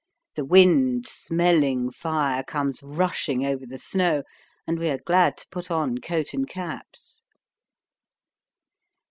The wind, smelling fire, comes rushing over the snow, and we are glad to put on coat and caps.